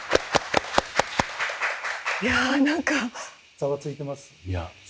ざわついてます？